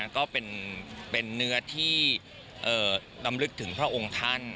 ก็เป็นเนื้อที่ลำลึกถึงพระองค์ท่าน